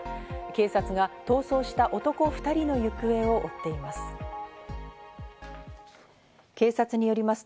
警察が逃走した男２人の行方を追っています。